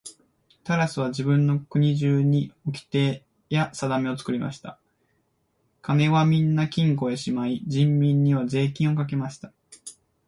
タラスは自分の国中におきてやさだめを作りました。金はみんな金庫へしまい、人民には税金をかけました。